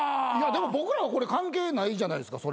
でも僕らはこれ関係ないじゃないですか。